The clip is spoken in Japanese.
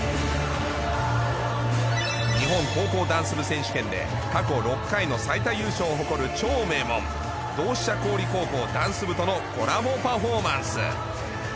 日本高校ダンス部選手権で過去６回の最多優勝を誇る超名門同志社香里高校ダンス部とのコラボパフォーマンス。